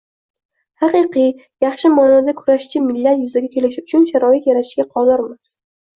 haqiqiy, yaxshi ma’noda kurashchi millat yuzaga kelishi uchun sharoit yaratishga qodirmiz.